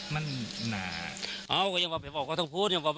มันหนาเอาไว้อย่างบราบไว้บอกก็ต้องพูดยังบอกว่า